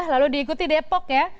lalu diikuti depok ya